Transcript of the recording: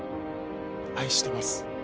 愛してます。